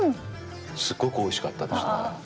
すごくおいしかったですね。